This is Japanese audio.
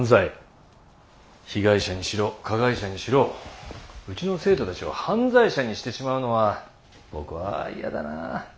被害者にしろ加害者にしろうちの生徒たちを犯罪者にしてしまうのは僕はやだなあ。